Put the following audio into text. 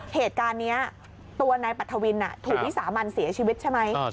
เหตุการณ์นี้ตัวนายปัทธวินถูกวิสามันเสียชีวิตใช่ไหม